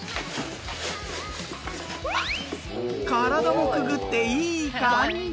体もくぐっていい感じ。